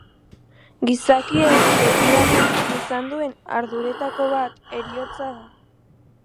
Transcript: Gizakiek, betidanik, izan duen arduretako bat heriotza da.